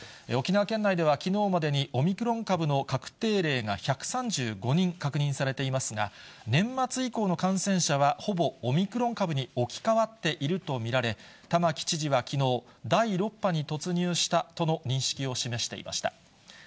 沖縄県内ではきのうまでに、オミクロン株の確定例が１３５人確認されていますが、年末以降の感染者は、ほぼオミクロン株に置き換わっていると見られ、玉城知事はきのう、第６波に突入したとの認識を示していました。